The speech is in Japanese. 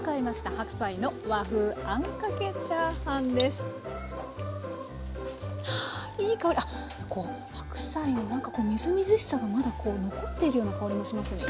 白菜のなんかこうみずみずしさがまだこう残っているような香りもしますね。